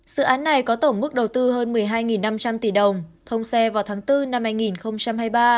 dự án này có tổng mức đầu tư hơn một mươi hai năm trăm linh tỷ đồng thông xe vào tháng bốn năm hai nghìn hai mươi ba